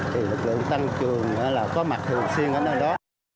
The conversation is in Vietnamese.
thì lực lượng tăng trường là có mặt thường xuyên ở nơi đó